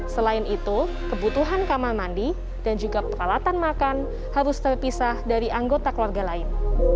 selain itu kebutuhan kamar mandi dan juga peralatan makan harus terpisah dari anggota keluarga lain